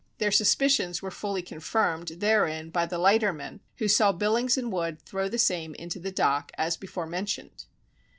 Their suspicions were fully confirmed therein by the lighterman who saw Billings and Wood throw the same into the dock, as before mentioned.